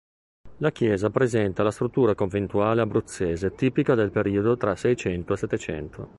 La chiesa presenta la struttura conventuale abruzzese tipica del periodo tra Seicento e Settecento.